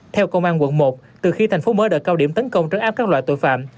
theo công an quận một từ khi thành phố mới đợi cao điểm tấn công trấn áp các loại tội phạm